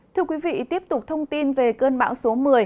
thưa quý vị tiếp tục thông tin về cơn bão số một mươi